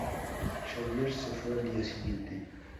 Xavier se fue al día siguiente.